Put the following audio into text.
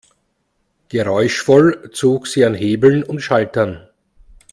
Geräuschvoll zog sie an Hebeln und Schaltern.